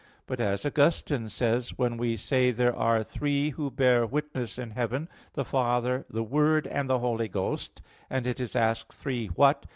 But, as Augustine says: "When we say there are three who bear witness in heaven, the Father, the Word, and the Holy Ghost, and it is asked, Three what?